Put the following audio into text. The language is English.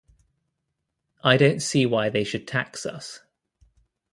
I don't see why they should tax us.